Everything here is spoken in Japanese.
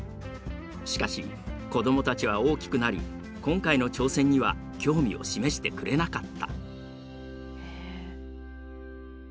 しかし子どもたちは大きくなり今回の挑戦には興味を示してくれなかった。